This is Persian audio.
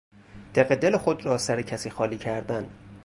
دق دل خود را سر کسی خالی کردن